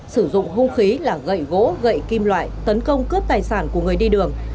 sử dụng hung khí là gậy gỗ gậy kim loại tấn công cướp tài sản của người đi đường